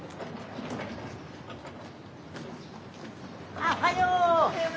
あおはよう。